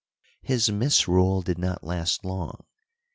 His misrule did not last long.